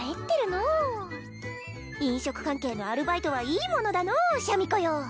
のう飲食関係のアルバイトはいいものだのうシャミ子よ